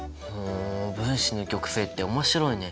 分子の極性って面白いね。